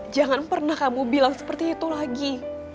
jangan pernah kamu bilang seperti itu lagi